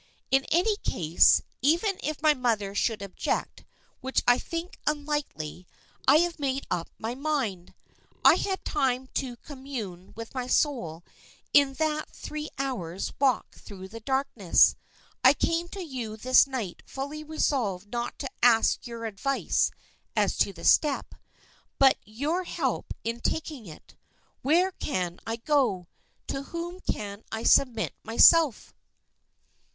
"In any case, even if my mother should object, which I think unlikely, I have made up my mind. I had time to commune with my soul in that three hours' walk through the darkness. I came to you this night fully resolved not to ask your advice as to the step, but your help in taking it. Where can I go? To whom can I submit myself?"